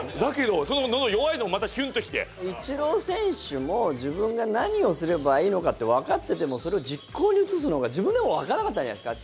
イチロー選手も自分が何をすればいいのか分かっていてそれを実行に移すのが、自分でも分からなかったんじゃないですか？